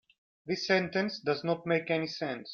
This sentence does not make any sense.